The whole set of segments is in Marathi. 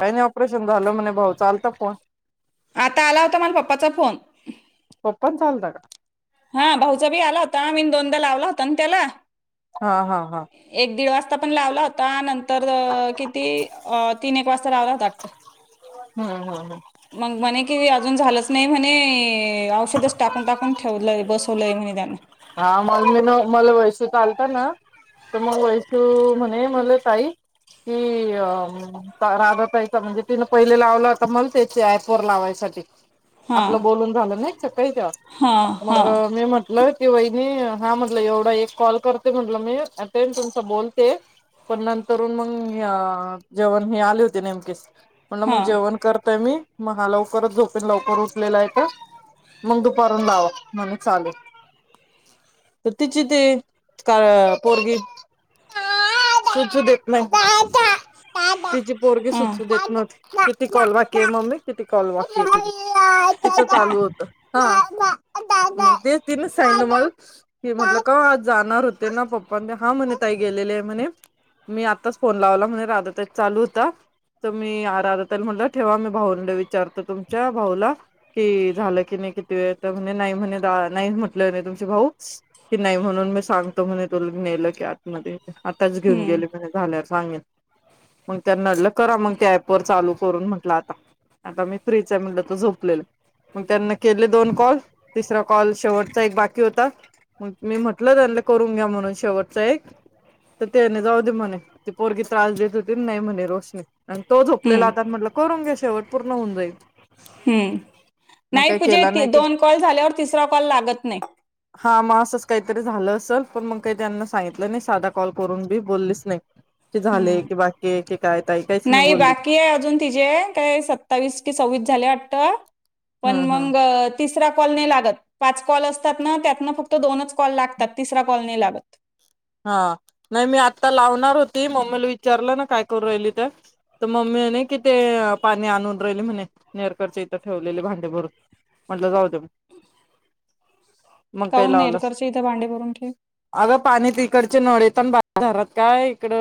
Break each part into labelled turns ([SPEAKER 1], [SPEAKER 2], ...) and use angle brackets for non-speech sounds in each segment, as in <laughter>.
[SPEAKER 1] का नाही ऑपरेशन झालं म्हणे भाऊ चालत फोन
[SPEAKER 2] आता आला होता मला पप्पाचा फोन
[SPEAKER 1] पण चालत का
[SPEAKER 2] हा भाऊचा बी आला होता मी दोनदा लावला होता आणि त्याला
[SPEAKER 1] हा, हा, हा
[SPEAKER 2] आता पण लावला होता नंतर किती तीन एक वाजता लावला होता वाटत
[SPEAKER 1] हम्म हम्म हम्म.
[SPEAKER 2] मग म्हणे कि अजून झालंच नाही म्हणे हे औषध च टाकून टाकून ठेवलंय बसवलंय म्हणे त्यानं
[SPEAKER 1] हा म मन मल वैसू चालता ना तर मग वैसू म्हणे मले ताई ती अ राधातायचा म्हणजे तिन पहिले लावला होता मले ते अँपवर लावायसाठी
[SPEAKER 2] हा
[SPEAKER 1] आपलं बोलून झालं नाही स काही तेव
[SPEAKER 2] हा
[SPEAKER 1] मग
[SPEAKER 2] हा
[SPEAKER 1] मी म्हटलं ती वहिणी हा म्हटलं एवढा एक कॉल करते म्हटलं मी टेन्शन च बोलते पण नंतरून मग जेवण हे आले होते नेमकेच म्हणलं
[SPEAKER 2] हा
[SPEAKER 1] मग जेवण करतय मी मग हा लवकरच झोपेन लवकर उठलेला आहे का मग दुपारून लाव म्हण चालेल तर तिची ते का पोरगी चू देत नाही तिची पोरगी
[SPEAKER 2] हा
[SPEAKER 1] सुचू देत नव्हती किती कॉल बाकी ये मम्मी किती कॉल बाकी ए तिच चालू होत हा ती ना सांगितलं मला हे म्हटल का जाणार होते ना पपा न ते हा म्हणे ताई गेलेले म्हणे मी आताच फोन लावला म्हणे राधा त्या चालू होता तु मी आराधता म्हणलं ठेवा मी भाऊंला विचारतो तुमच्या भाऊला कि झालं की नाही मते तर म्हणे नाही म्हटले तुमचे भाऊ की नाही म्हणून मी सांगतो म्हणे तूल नेल कि आत मध्ये आतच घेऊन
[SPEAKER 2] हम्म
[SPEAKER 1] गेले मग ते झलाया वर सांगीन मग करा मग त्या अँप वर चालू करून म्हटलं आता आता मी फ्रीच म्हणलं तर झोपलेलं मग त्यांना केले दोन कॉल तिसरा कॉल शेवटचा एक बाकी होता मग मी म्हटलं त्यांलं करून घ्या म्हणून शेवटच एक तर त्याने जाऊ दे म्हणे ती पोरगी त्रास देत होती नाही म्हणे रोशनी अन तो झोपलेला
[SPEAKER 2] हम्म
[SPEAKER 1] आता करून घे शेवट पूर्ण होऊन जाईल
[SPEAKER 2] हम्म
[SPEAKER 1] मग
[SPEAKER 2] नाही
[SPEAKER 1] काही केला नाही केला
[SPEAKER 2] दोन कॉल झाल्या वर तिसरा कॉल लागत नाही
[SPEAKER 1] हा मग असंच काहीतरी झालं असेल पण मग काही त्यांना सांगितलं नाही साधा कॉल करून मी बोललीच नाही झाले
[SPEAKER 2] हम्म
[SPEAKER 1] की बाकीय कि
[SPEAKER 2] नाही बाकी आहे अजून तिजे काय सत्तावीस कि सव्वीस झाले वाटतं पण
[SPEAKER 1] हम्म हम्म
[SPEAKER 2] मग तिसरा कॉल नाही लागत पाच कॉल असतात ना त्या फक्त दोनच कॉल लागतात तीसरा कॉल नाही लागत
[SPEAKER 1] हा नाही मी आत्ता लावणार होती मम्मीला विचारलं ना काय करू राहिली तर तर मम्मी म्हणे कि ते पाणी आणून राहिले म्हणे नेरकरचे इथं ठेवलेले भांडे भरून म्हटलं जाऊदे म मग काही
[SPEAKER 2] काऊन
[SPEAKER 1] लावलस
[SPEAKER 2] नेरकरचे इथं भांडे भरून ठेव
[SPEAKER 1] अगं पाणी ति इकडचे नळे पण बा धरात काय इकड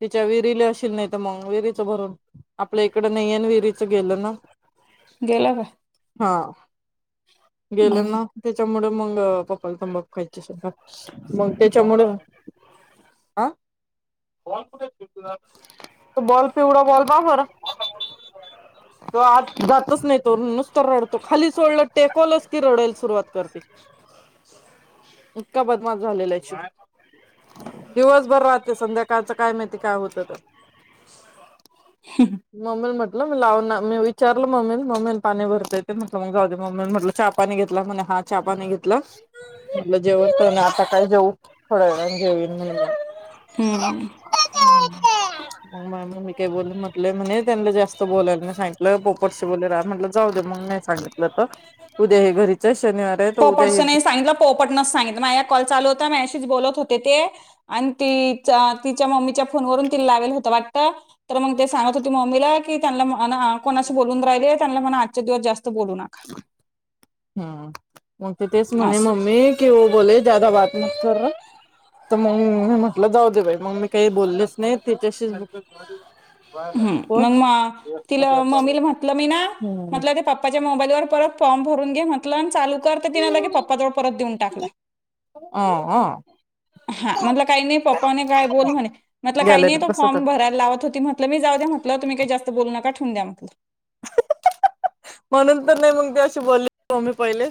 [SPEAKER 1] तिच्या विहिरीले असशील नाही तर मग विहिरीचं भरून आपल्या इकडे नाही आहेन विहिरी गेलं ना
[SPEAKER 2] गेला का
[SPEAKER 1] हा गेले
[SPEAKER 2] हम्म.
[SPEAKER 1] ना तेच्या मग पप्पाला तंबा खायची सुद्धा मग हॅलो आ बॉल कुठयं <unintelligible> तुझा? तो बॉल पिवळा बॉल <unintelligible> बरं.
[SPEAKER 2] <unintelligible>
[SPEAKER 1] तो आत जातच नाही तो. नुसतं रडतो, खाली सोडलं, टेकवलच की रडाल सुरुवात करते.
[SPEAKER 2] <unintelligible>
[SPEAKER 1] इतका बदमाश झालेल <unintelligible> ची दिवसभर राहते. संध्याकाळच काय माहिती काय होत? <unintelligible> मी लाव ना मी विचारल मम्मी, मम्मी पाणी भरता येते म्हटलं मग जाऊदे. म म्हटलं च्या-पानी घेतल, म्हणे हा चा पानी घेतलं. म्हटल जेवण आता काय जेऊ? <inaudible>
[SPEAKER 2] हम्म <inaudible>
[SPEAKER 1] मग मग मी काही बोल म्हटलं म्हणे, त्यांना जास्त बोलायला नाही सांगितलं. पोपटशी बोले रा म्हटलं जाऊद्या मग. नाही सांगितलं <unintelligible> उद्या ही घरीचयस?
[SPEAKER 2] पोपटचं नाही सांगितल, पोपटनच सांगितलं. माझ्या कॉल चालू होता. मायाशी तिच बोलत होते ते, आणि ति च्या तिच्या मम्मीच्या फोनवरून तिन लावेल होत वाटत. मग ते सांगत होती मम्मीला की, त्यांनला मना कोणाशी बोलून राहिले त्यानला म्हणा आजच्या दिवस जास्त बोलू नका.
[SPEAKER 1] <unintelligible> तर
[SPEAKER 2] असं
[SPEAKER 1] मग मी म्हटलं जाऊ दे बाई, मग मी काही बोललेच नाही त्याच्याशी
[SPEAKER 2] हम् मग म तिला ममीला म्हटलं मी ना
[SPEAKER 1] हम्म
[SPEAKER 2] म्हटलं ते पप्पाच्या मोबाईलवर परत फॉर्म भरून घे म्हटलं चाल करता तिना लगे पप्पाजवळ परत देऊन टाकला.
[SPEAKER 1] हा
[SPEAKER 2] हा म्हटलं काही नाही पप्पाने काय बोल म्हणे. म्हटलं काही नाही
[SPEAKER 1] गॅलरीत
[SPEAKER 2] तो
[SPEAKER 1] बसवतात
[SPEAKER 2] फॉर्म भरायला लावत होती म्ह मी जाऊद्या म्हटलं तुम्ही काय जास्त बोलू नका. ठेउन द्या म्हटलं.
[SPEAKER 1] <unintelligible> म्हणून तर नाही मग जास् <unintelligible> मी पहिले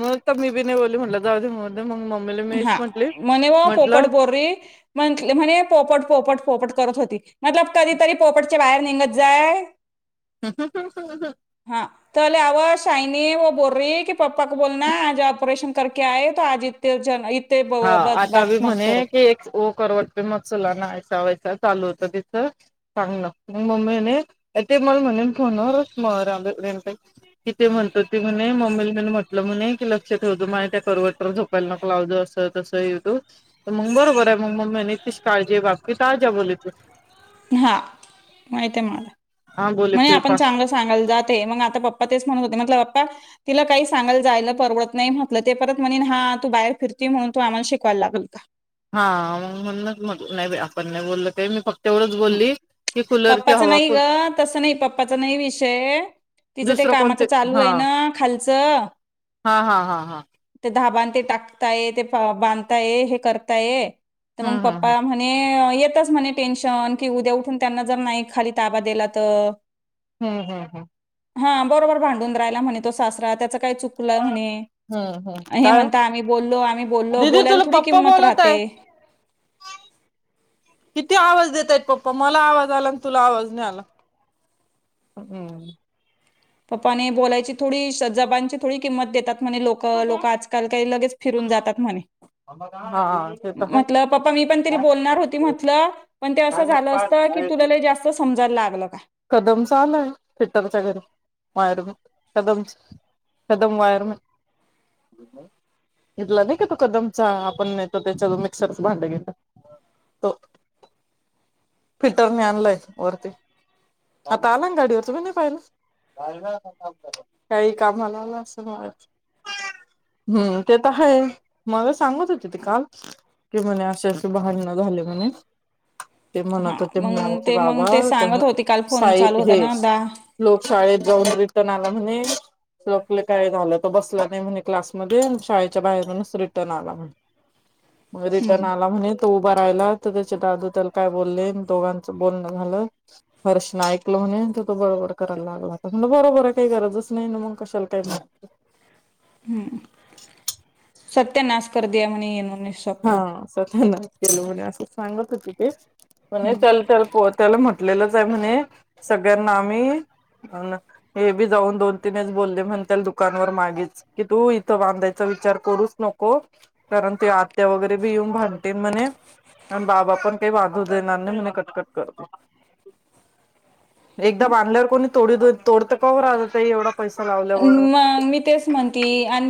[SPEAKER 1] मग मी बी नाही बोलली म्हणलं जाऊ द्या <unintelligible>
[SPEAKER 2] हा, म्हणे व पोपट
[SPEAKER 1] म्हटलं
[SPEAKER 2] बोर्री म्हंटल म्हणे पोपट पोपट, पोपट करत होती. म्हटलं प कधीतरी पोपटच्या बाहेर निघत जाय.
[SPEAKER 1] <unintelligible>
[SPEAKER 2] हा तले आवाज सायनी व बोलरी की, पप्पा को बोल ना आज ऑपरेशन करके आये तो आज <unintelligible>
[SPEAKER 1] हा
[SPEAKER 2] ब-
[SPEAKER 1] आता
[SPEAKER 2] बात
[SPEAKER 1] बी
[SPEAKER 2] मत करो
[SPEAKER 1] म्हणे की, एक वो करवट पे मत सुलाना चुला ऐसा वैसा. चालू होत तिच सांगणं. मग मने ते म्हणेन फोनवर <unintelligible> कि ते म्हणत होती, म्हणे मम्मी म म्हटलं म्हणे की लक्ष ठेवतो <unintelligible> त्या <unintelligible> झोपायला नको लाव अस तस तू मग बरोबर आहे मग मम्मी <unintelligible>
[SPEAKER 2] हा, माहित आहे मला.
[SPEAKER 1] हा बोले
[SPEAKER 2] म्हण
[SPEAKER 1] फिर
[SPEAKER 2] आपण
[SPEAKER 1] पास
[SPEAKER 2] चांगलं सांगायला जाते. मग आता पप्पा तेच म्हणत होते. म्हटल पप्पा तिला काही सांगायला जायला परवडत नाही, म्हटलं ते परत म्हनीन हा, तू बाहेर फिरती म्हणून तू आम्हाला शिकवायला लागल का?
[SPEAKER 1] हा म म्हणून मग नाही बाई आपण नाही बोलल का इ मी फक
[SPEAKER 2] ह, <unintelligible> पप्पाच नाही ग, तसं नाही पप्पाचा नाही विषय तिचं ते
[SPEAKER 1] दुसरं
[SPEAKER 2] कामाचं
[SPEAKER 1] कोणते
[SPEAKER 2] चालू
[SPEAKER 1] हा
[SPEAKER 2] आहे ना, खालचं.
[SPEAKER 1] हा, हा, हा, हा.
[SPEAKER 2] ते धाबान ते टाकताय, ते बांधताय, हे करताय, तर मग
[SPEAKER 1] हम्म हम्म
[SPEAKER 2] पप्पा म्हणे येतच म्हणे टेन्शन की, उद्या उठून त्यांना जर नाही खाली ताबा दिला तर
[SPEAKER 1] हम्म, हम्, हम.
[SPEAKER 2] हा बरोबर भांडून राहिला म्हणे तो सासरा, त्याच काय चुकल म्हणे.
[SPEAKER 1] हम्म हम्म
[SPEAKER 2] हे
[SPEAKER 1] काय ओ?
[SPEAKER 2] म्हणता आम्ही बोललो, आम्ही बोललो,
[SPEAKER 1] दिदी
[SPEAKER 2] बोलायला
[SPEAKER 1] तुला
[SPEAKER 2] थोडी
[SPEAKER 1] पप्पा
[SPEAKER 2] किंमत
[SPEAKER 1] बोलत
[SPEAKER 2] राहते.
[SPEAKER 1] आहे.
[SPEAKER 2] <unintelligible>
[SPEAKER 1] किती आवाज देतय पप्पा मला आवाज आला आणि तुला आवाज नाही आला.. हम्म..
[SPEAKER 2] पप्पाने बोलायची थोडी जबांची थोडी किंमत देतात म्हणे लोक लोक आजकाल काही लगेच... फिरून जातात म्हणे...
[SPEAKER 1] हा ते तर
[SPEAKER 2] म्हटलं पप्पा मी पण ति
[SPEAKER 1] आहे.
[SPEAKER 2] बोलणार होती म्हटलं पण ते असं झालं असत. की तुला जास्त समजायला लागलं.. का
[SPEAKER 1] कदमच आलाय फिटरच्या घरी वायरमन कदम... कदम वायरमन घेतला नाही का तो कदमचा आपण तो त्याच्यातून मिक्सरच भांड घेतलं... तो फिटरने आणलाय वरती... आता आला ना गाडीवरच पण नाही पाहिलं... काही कामाला आलं असं मला... हम्म ते तर आहे मला सांगत होते ते काल... कि म्हणे असे अस भांडण झाले म्हणे... ते
[SPEAKER 2] हा
[SPEAKER 1] म्हणत होते म्ह
[SPEAKER 2] मग
[SPEAKER 1] आमचे
[SPEAKER 2] ते
[SPEAKER 1] बाबा
[SPEAKER 2] मग ते सांगत होती काल फोन
[SPEAKER 1] साई
[SPEAKER 2] चालू होता
[SPEAKER 1] हे
[SPEAKER 2] ना दा
[SPEAKER 1] लोक.. शाळेत जाऊन रिटर्न आला म्हणे... आपलं काय झालं त बसला नाही म्हणे क्लासमध्येध्ये शाळेच्या बाहेरूनच रिटर्न आला म्हने...
[SPEAKER 2] <inaudible>
[SPEAKER 1] मग रिटर्न
[SPEAKER 2] हम्म
[SPEAKER 1] आला म्हणे तो... राहायला तर त्याचे दादू त्याला काय बोलले दोघांच बोलणं झालं. हर्षन ऐकलं म्हणे त तो बरोबर करायला लागलाता म्ह बरोबर काही गरजच नाही ना मग कशाला काही मा..
[SPEAKER 2] हम्म सत्य नास कर द्या म्हनी येन..
[SPEAKER 1] हा असतना केल म्हणे असं सांगत होती ते... म्हणे ल त्याल प त्याला म्हटलेलंच आहे म्हणे सगळ्यांना आम्ही... हे बी जाऊन दोन तीनच बोलले म्हणता दुकानवर मागेच की तू इथं बांधायच.. विचार करूच नको कारण ते आत्या वगैरे बी येऊन भांडतील म्हने.. पण बाबा पण काही बांधू देणार नाही म्हणे कटकट करतो.. एकदा बांधल्यावर कोणी तोडी दे.. तोडत का ओ राधा ताई एवढा पैसा लावल्यावर...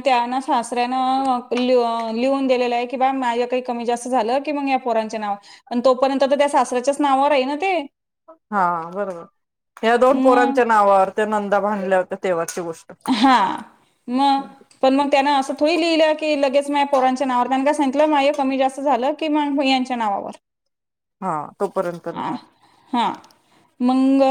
[SPEAKER 2] त्यान सासऱ्यान लिहून दिलेलं आहे की बा माझ्या काही कमी जास्त झालं की मग या पोर... च्या नावावर, पण तोपर्यंत त्या सासऱ्याच्याच नावावर आहे ना ते..
[SPEAKER 1] हा बरोबर या दोन
[SPEAKER 2] मग
[SPEAKER 1] पोरांच्या नावावर त्या नंदा भांडल्या होत्या तेव्हा....
[SPEAKER 2] हा मग पण मग त्यान असं थोडी लिहिलं की लगेच माझ्या पोरांच्या नावावर त्यां का सांगित. माय कमी जास्त झालं कि मग यांच्या नावावर..
[SPEAKER 1] हा तोपर्यंत
[SPEAKER 2] आ
[SPEAKER 1] नाही.
[SPEAKER 2] हा मंग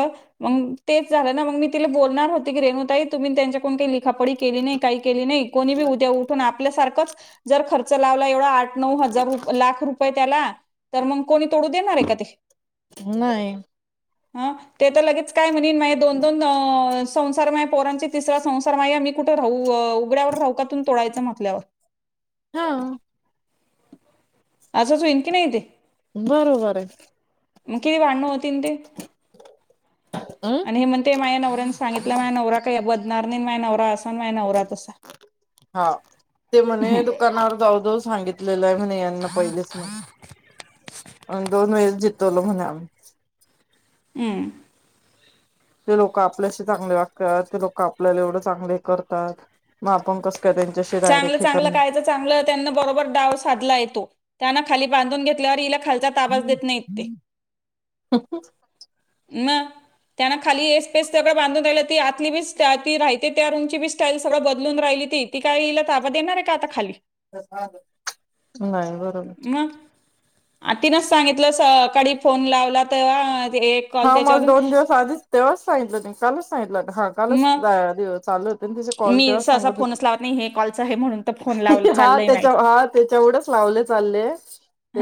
[SPEAKER 2] मग तेच झालं ना मग मी तिला बोलणार होती की रेणुताई.. तुम्ही त्यांच्या कोून काही लिखापडी केली नाही काही केली नाही कोणी बी उद्या उठून आपल्यासारखंच.. जर खर्च लावला एवढा आठ नऊ हजार लाख रुपये त्याला तर मग.. कोणी तोडू देणार आहे का ते?
[SPEAKER 1] नाही
[SPEAKER 2] आ लगेच काय म्हने.. दोन दोन संसार पोरां तिसरा संसार मा मी कुठे राहू... व उगड्यावर राऊकातून तोडायचं म्हतल्यावर..
[SPEAKER 1] हा..
[SPEAKER 2] असंच होईल की नाही ते..
[SPEAKER 1] बरोबर आहे.
[SPEAKER 2] मग किती भांड...
[SPEAKER 1] अं
[SPEAKER 2] आणि हे म्हणते माया नवऱ्यानी सांगितलं मा नव काय बदणार... माझा नवरा असा.. माझ्या नवरा तसा
[SPEAKER 1] हा ते म्हणे दुकानावर जाऊ जाऊ सांगितलेलं आहे म्हणे.... ना पहिलेच म्हण दोन वेळे जितवलो म्हणे आम्ही...
[SPEAKER 2] हम्म
[SPEAKER 1] ते लोकं आपल्याशी चांगले वागतात, ते लोकं आपल्याला एवढं चांगले करतात मग आपण कस-
[SPEAKER 2] चांगलं चांगलं कायच चांगलं त्यांना बरोबर डाव साधला येतो त्याना खाली बांधून घेतल्यावर हिला खालचा ताबाच देत नाहीत ते, मग. त्याना खाली एसपैस सगळं बांधून रायला ती आतली बी ती राहयते त्या रूमची स्टाईल सगळं बदलून राहिली ती, ती काय हिला ताबा देणार आहे का आता खाली?
[SPEAKER 1] नाही, बरोबर.
[SPEAKER 2] मग आ तिनच सांगितलं सकाळी फोन लावला तेव्हा अ
[SPEAKER 1] हा मला दोन दिवस आधीच तेव्हाच सांगितलं कालच सांगितलं हा कालच
[SPEAKER 2] मग
[SPEAKER 1] आधी चालू हो त ना कॉल
[SPEAKER 2] मी
[SPEAKER 1] तेव्हा
[SPEAKER 2] सहसा
[SPEAKER 1] सांगत होती,
[SPEAKER 2] फोनच लावत नाही हे कॉलचं आहे म्हणून तर फोन लावलं
[SPEAKER 1] हा
[SPEAKER 2] चाललंय
[SPEAKER 1] त्याच्या
[SPEAKER 2] माहिती
[SPEAKER 1] हा त्याच्या एवढच पाऊले चालले,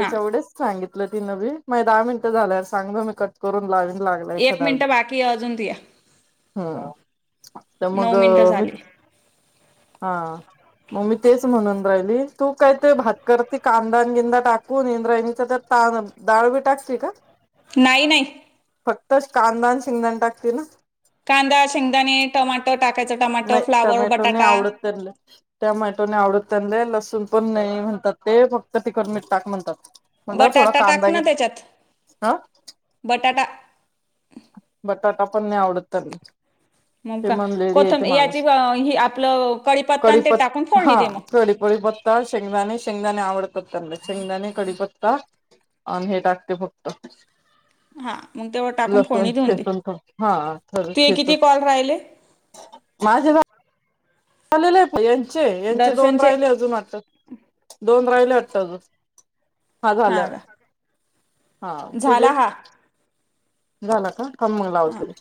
[SPEAKER 2] हा
[SPEAKER 1] एवढेच सांगित ल तिनं‌ बी, माझे दहा मिनट झाल्यावर सांग मी कट करून लावीन. लागला
[SPEAKER 2] एक
[SPEAKER 1] एखादा
[SPEAKER 2] मिनिट
[SPEAKER 1] अजून.
[SPEAKER 2] बाकी आहे अजून तुया
[SPEAKER 1] हम्म, तर मग
[SPEAKER 2] नऊ मिनिटं
[SPEAKER 1] मी,
[SPEAKER 2] झाली
[SPEAKER 1] हा मग मी तेच म्हणून राहिली, तू काय ते भात करती कांदा अन गिंदा टाकून इंद्रायणीचा त्यात <unintelligible> डाळ बी टाकती का?
[SPEAKER 2] नाही, नाही.
[SPEAKER 1] फक्तच कांदा अन शेंगदाणं टाकती ना?
[SPEAKER 2] कांदा, शेंगदाणे, टोमाटो टाक
[SPEAKER 1] नाही टमॅटो नाय आवडत त्यांला, टमॅटो नाय आवडत त्यांला लसूण पण नाही म्हणतात ते, फक्त टिकत टाक म्हणतात. मल थोडा
[SPEAKER 2] बटाटा टाक
[SPEAKER 1] कांदा
[SPEAKER 2] ना
[SPEAKER 1] घेत
[SPEAKER 2] त्याच्यात
[SPEAKER 1] हं.
[SPEAKER 2] बटाटा
[SPEAKER 1] बटाटा पण, नाही आवडत त्यांना.
[SPEAKER 2] मग
[SPEAKER 1] ते
[SPEAKER 2] का?
[SPEAKER 1] म्हणलेली आहे
[SPEAKER 2] कोथम
[SPEAKER 1] ते
[SPEAKER 2] याची
[SPEAKER 1] माणूस
[SPEAKER 2] आपलं कडी.
[SPEAKER 1] कडीपत्, हा. पळी पळीपत्ता. शेंगदाणे, शेंगदाणे आवडतात त्यांना. शेंगदाणे, कडीपत्ता. आणि हे टाकते फक्त.
[SPEAKER 2] <unintelligible> हा मग तेवड टाकून
[SPEAKER 1] लसूण
[SPEAKER 2] फोडीणी देऊन दे.
[SPEAKER 1] ठेचून हा
[SPEAKER 2] तू किती कॉल राहिले?
[SPEAKER 1] माझ व्हय. झालेले आहे पन यांचे यांचे, दोन
[SPEAKER 2] दर्शनचे
[SPEAKER 1] राहिले अजून दोन... राहिले वाटत. हा
[SPEAKER 2] हां
[SPEAKER 1] झालं.
[SPEAKER 2] का
[SPEAKER 1] हा तुझे?
[SPEAKER 2] झाला हा हां
[SPEAKER 1] झालं का? थांब मग लावते.